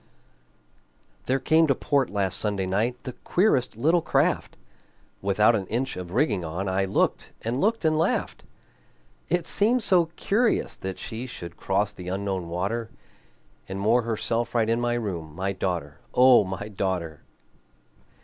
There came to port last Sunday night The queerest little craft, Without an inch of rigging on; I looked and looked and laughed. It seemed so curious that she Should cross the Unknown water, And moor herself right in my room, My daughter, O my daughter!